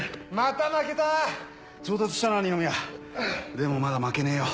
でもまだ負けねえよ